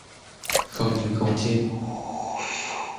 không những không chết